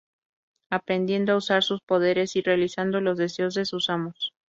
Aprendiendo a usar sus poderes y realizando los deseos de sus amos.